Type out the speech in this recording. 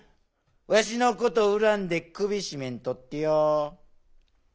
わしのこと恨んで首絞めんとってや。